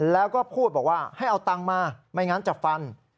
แล้วก็พูดบอกว่าให้เอาตังค์มาไม่งั้นจะฟัน